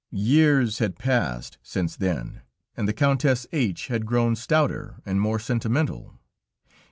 Years had passed since then and the Countess H had grow stouter and more sentimental.